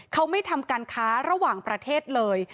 เขาไม่ทำการค้าระหว่างประเทศเลย